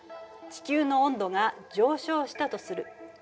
地球の温度が上昇したとする。